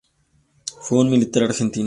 Fue un militar argentino.